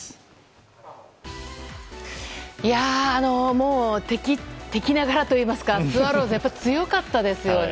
もう敵ながらといいますかスワローズやっぱ強かったですね。